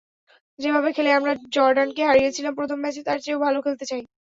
যেভাবে খেলে আমরা জর্ডানকে হারিয়েছিলাম প্রথম ম্যাচে, তার চেয়েও ভালো খেলতে চাই।